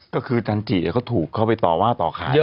ก็คือจันจิก็ถูกเข้าไปต่อว่าต่อข่าวเยอะ